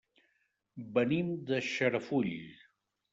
Venim de Xarafull.